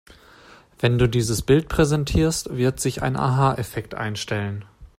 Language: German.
Wenn du dieses Bild präsentierst, wird sich ein Aha-Effekt einstellen.